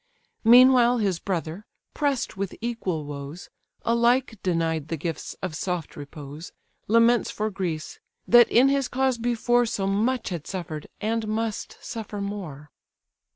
Meanwhile his brother, press'd with equal woes, Alike denied the gifts of soft repose, Laments for Greece, that in his cause before So much had suffer'd and must suffer more.